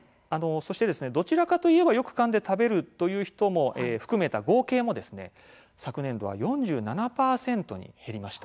そして、どちらかといえばよくかんで食べるという人も含めて合計昨年度は４７％に減りました。